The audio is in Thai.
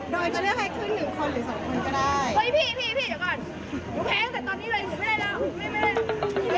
โดยก็เลือกให้คุณหนึ่งคนหรือสองคนก็ได้